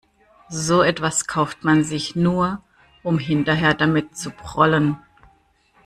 So etwas kauft man sich nur, um hinterher damit zu prollen.